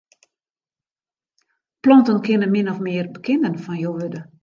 Planten kinne min of mear bekenden fan je wurde.